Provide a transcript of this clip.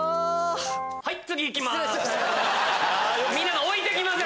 はい次行きます。